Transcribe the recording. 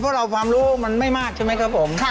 เพราะเราความรู้มันไม่มากใช่ไหมครับผม